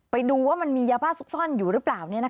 ไปดูว่ามันมียาบ้าซุกซ่อนอยู่หรือเปล่า